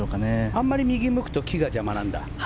あまりに右に向くと木が邪魔なんだ？